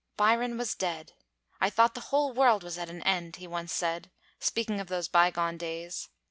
'Byron was dead! I thought the whole world was at an end,' he once said, speaking of those bygone days.